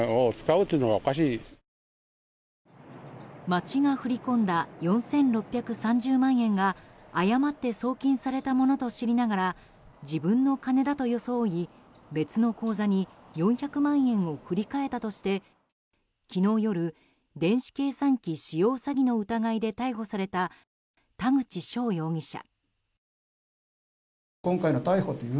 町が振り込んだ４６３０万円が誤って送金されたものと知りながら自分の金だと装い、別の口座に４００万円を振り替えたとして昨日夜、電子計算機使用詐欺の疑いで逮捕された田口翔容疑者。